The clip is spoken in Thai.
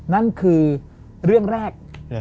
นั่นคือเรื่องแรก